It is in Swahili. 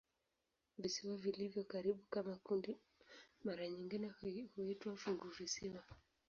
Visiwa vilivyo karibu kama kundi mara nyingi huitwa "funguvisiwa".